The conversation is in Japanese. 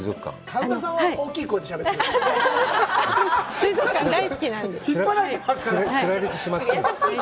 神田さんは大きい声でしゃべってください。